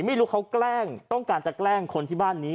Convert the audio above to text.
ไม่รู้เขาแกล้งต้องการจะแกล้งคนที่บ้านนี้